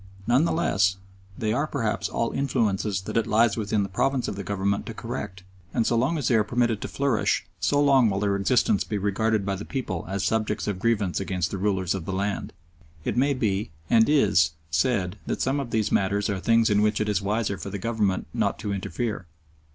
None the less, they are perhaps all influences that it lies within the province of the Government to correct, and so long as they are permitted to flourish so long will their existence be regarded by the people as subjects of grievance against the rulers of the land. It may be, and is, said that some of these matters are things in which it is wiser for the Government not to interfere.